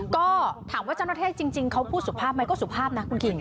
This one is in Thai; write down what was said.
ก็ถามว่าเจ้าหน้าที่จริงเขาพูดสุภาพไหมก็สุภาพนะคุณคิง